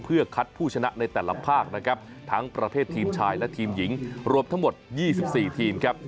เพื่อคัดผู้ชนะในแต่ละภาคนะครับทั้งประเภททีมชายและทีมหญิงรวมทั้งหมด๒๔ทีมครับ